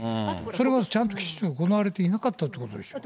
それもちゃんと行われていなかったということでしょう。